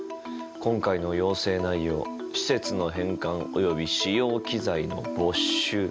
今回の要請内容施設の返還及び使用機材の没収」。